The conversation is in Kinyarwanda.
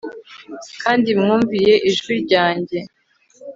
kandi mwumviye ijwi ryanjye